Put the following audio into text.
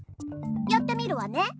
やってみるわね。